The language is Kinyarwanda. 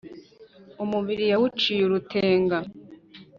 umubiri yawuciye urutenga.